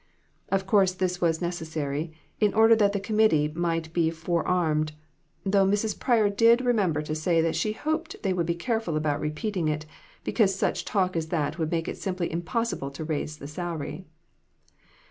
Of course this was neces sary, in order that the committee might be fore armed, though Mrs. Pryor did remember to say that she hoped they would be careful about repeat ing it, because such talk as that would make it simply impossible to raise the salary.